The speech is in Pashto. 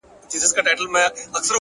هره پوښتنه د نوې پوهې تخم دی.